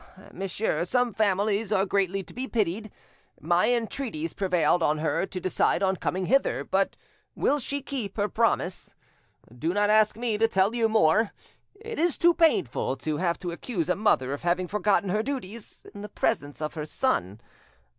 monsieur, some families are greatly to be pitied! My entreaties prevailed on her to decide on coming hither, but will she keep her promise? Do not ask me to tell you more; it is too painful to have to accuse a mother of having forgotten her duties in the presence of her son